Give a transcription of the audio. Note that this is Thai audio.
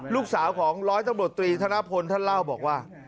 ลูกสาวของร้อยตำรวจตรีธนพลท่านเล่าบอกว่า